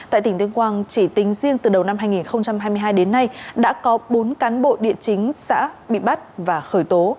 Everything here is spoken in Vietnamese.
tại tỉnh tuyên quang chỉ tính riêng từ đầu năm hai nghìn hai mươi hai đến nay đã có bốn cán bộ địa chính xã bị bắt và khởi tố